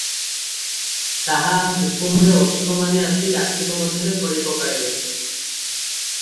ତାହା ହୁକୁମରେ ଅସୁର ମାନେ ଆସି ରାତିକ ମଧ୍ୟରେ ଖୋଳିପକାଇଲେ ।